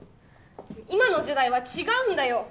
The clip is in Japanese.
今の時代は違うんだよ